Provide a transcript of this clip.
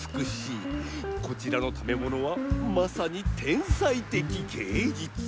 こちらの食べものはまさに天才てきげいじゅつ！